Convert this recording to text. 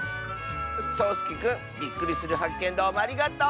そうすけくんびっくりするはっけんどうもありがとう！